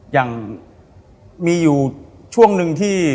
อย่างมีอยู่ช่วงหนึ่งที่